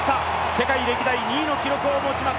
世界歴代２位の記録を持ちます